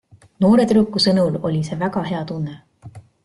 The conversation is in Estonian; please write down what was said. Noore tüdruku sõnul oli see väga hea tunne.